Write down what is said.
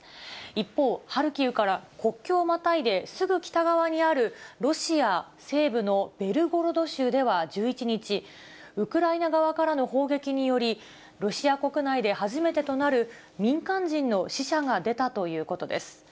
一方、ハルキウから国境をまたいですぐ北側にある、ロシア西部のベルゴロド州では１１日、ウクライナ側からの砲撃により、ロシア国内で初めてとなる民間人の死者が出たということです。